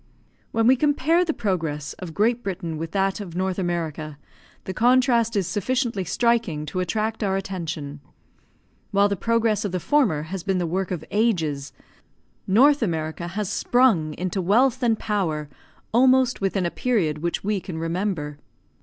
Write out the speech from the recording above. When we compare the progress of Great Britain with that of North America, the contrast is sufficiently striking to attract our attention. While the progress of the former has been the work of ages, North America has sprung into wealth and power almost within a period which we can remember.